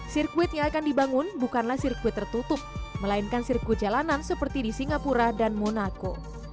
sirkuit yang akan dibangun bukanlah sirkuit tertutup melainkan sirkuit jalanan seperti di singapura dan monaco